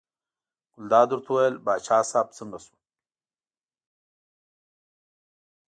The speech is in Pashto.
ګلداد ورته وویل باچا صاحب څنګه شو.